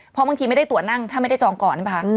เพราะบางทีไม่ได้ตั๋วนั่งถ้าไม่ได้จองก่อนนะคะ